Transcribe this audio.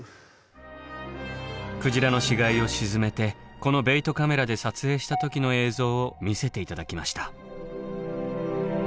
鯨の死骸を沈めてこのベイトカメラで撮影した時の映像を見せて頂きました。